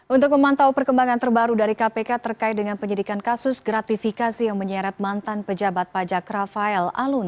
untuk memantau perkembangan terbaru dari kpk terkait dengan penyidikan kasus gratifikasi yang menyeret mantan pejabat pajak rafael alun